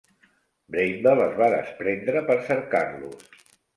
"Bramble" es va desprendre per cercar-los.